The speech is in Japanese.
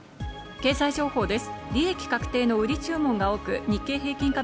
経済情報です。